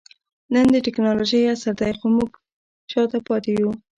نن د ټکنالوجۍ عصر دئ؛ خو موږ شاته پاته يو.